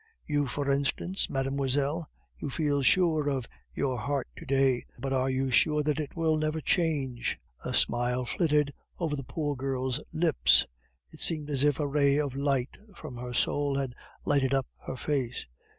"You, for instance, mademoiselle; you feel sure of your heart to day, but are you sure that it will never change?" A smile flitted over the poor girl's lips; it seemed as if a ray of light from her soul had lighted up her face.